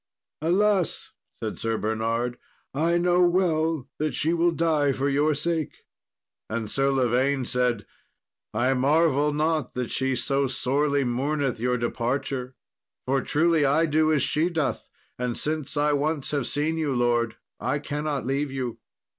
"Alas!" said Sir Bernard, "I know well that she will die for your sake." And Sir Lavaine said, "I marvel not that she so sorely mourneth your departure, for truly I do as she doth, and since I once have seen you, lord, I cannot leave you."